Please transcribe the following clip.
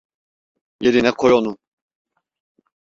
Yerine koy onu.